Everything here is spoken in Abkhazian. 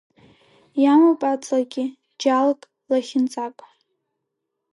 Иамоуп аҵлагьы, џьалк, лахьынҵак.